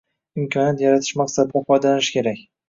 imkoniyat yaratish maqsadida foydalanish kerak.